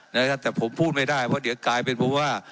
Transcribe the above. นะครับแต่ผมพูดไม่ได้เพราะเดี๋ยวกลายเป็นเพราะว่า